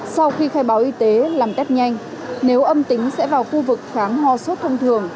sau khi khai báo y tế làm test nhanh nếu âm tính sẽ vào khu vực khám ho sốt thông thường